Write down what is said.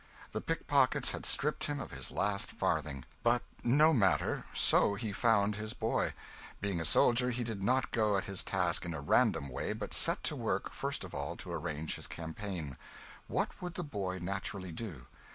The pickpockets had stripped him of his last farthing. But no matter, so he found his boy. Being a soldier, he did not go at his task in a random way, but set to work, first of all, to arrange his campaign. What would the boy naturally do?